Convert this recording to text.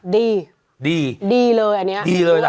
ดีดีเลยอันนี้